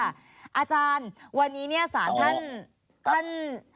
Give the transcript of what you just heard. อาจารย์วันนี้สารท่านท่าน